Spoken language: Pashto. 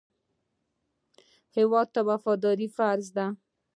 هېواد ته وفاداري فرض ده